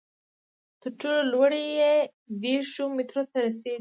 تر ټولو لوړې یې دېرشو مترو ته رسېدې.